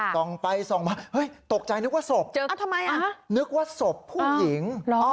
ตกใจนึกว่าศพผู้หญิง